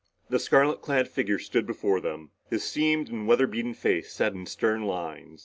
The scarlet clad figure stood before them, his seamed and weather beaten face set in stern lines.